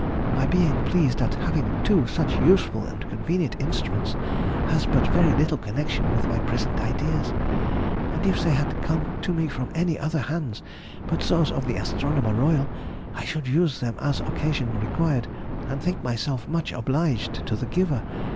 My being pleased at having two such useful and convenient instruments has but very little connection with my present ideas; and if they had come to me from any other hands but those of the Astronomer Royal, I should use them as occasion required, and think myself much obliged to the giver.